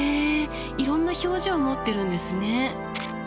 いろんな表情を持ってるんですね。